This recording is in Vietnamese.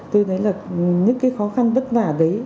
tôi thấy là những cái khó khăn vất vả đấy